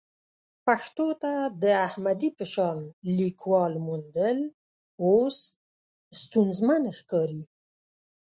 پښتو ته د احمدي په شان لیکوال موندل اوس ستونزمن ښکاري.